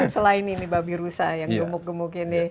selain ini babi rusa yang gemuk gemuk ini